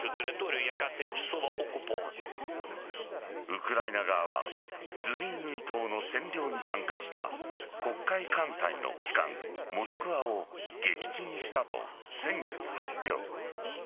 ウクライナ側はズミイヌイ島の占領に参加した黒海艦隊の旗艦「モスクワ」を撃沈したと先月、発表。